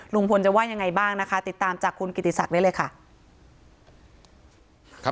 ลุงพลจะว่ายังไงบ้างนะคะติดตามจากคุณกิติศักดิ์ได้เลยค่ะ